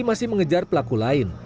dan masih mengejar pelaku lain